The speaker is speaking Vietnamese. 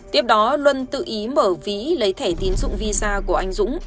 tiếp đó luân tự ý mở ví lấy thẻ tiến dụng visa của anh dũng